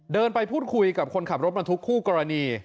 ไปพูดคุยกับคนขับรถบรรทุกคู่กรณี